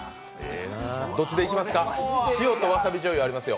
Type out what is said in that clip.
どっちでいきますか、塩とわさびじょうゆありますよ。